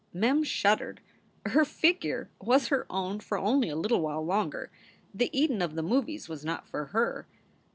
Mem shuddered. Her figure was her own for only a little while longer. The Eden of the movies was not for her.